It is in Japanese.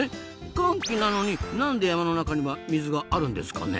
乾季なのになんで山の中には水があるんですかね？